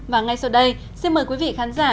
và ngay sau đây xin mời quý vị khán giả